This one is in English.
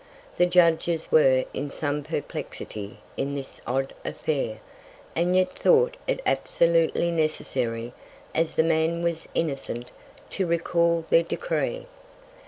The Judges were in some Perplexity in this odd Affair, and yet thought it absolutely necessary, as the Man was innocent, to recal their Decree.